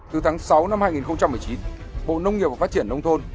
từ tháng sáu năm hai nghìn một mươi chín bộ nông nghiệp và phát triển nông thôn